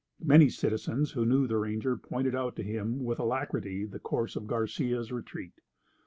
Many citizens who knew the ranger pointed out to him with alacrity the course of Garcia's retreat.